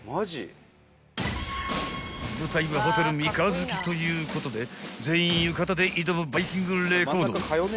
［舞台はホテル三日月ということで全員浴衣で挑むバイキングレコード目標は？］